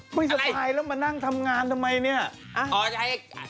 ผู้ชายแล้วมานั่งทำงานทำไมเนี่ย